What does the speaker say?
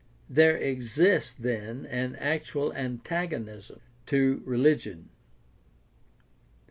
There exists then an actual antagonism to religion.